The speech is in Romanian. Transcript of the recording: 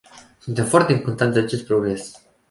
Suntem foarte încântați de acest progres.